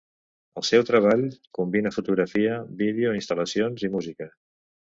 El seu treball combina fotografia, vídeo, instal·lacions i música.